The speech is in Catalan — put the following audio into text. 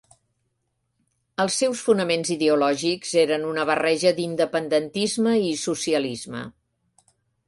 Els seus fonaments ideològics eren una barreja d'independentisme i socialisme.